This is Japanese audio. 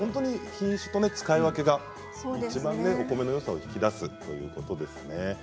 品種と使い分けがお米のよさを引き出すということですね。